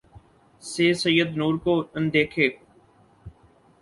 سے سید نور کو ان دیکھے